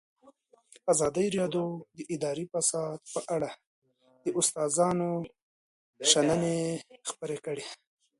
ازادي راډیو د اداري فساد په اړه د استادانو شننې خپرې کړي.